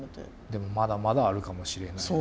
でもまだまだあるかもしれないし。